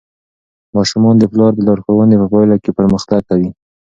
ماشومان د پلار د لارښوونو په پایله کې پرمختګ کوي.